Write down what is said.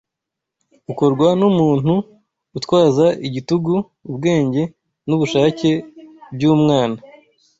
ukorwa n’umuntu utwaza igitugu ubwenge n’ubushake by’umwana